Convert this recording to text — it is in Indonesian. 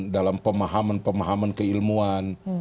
dalam pemahaman pemahaman keilmuan